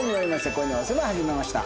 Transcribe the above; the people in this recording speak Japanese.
『恋のお世話始めました』。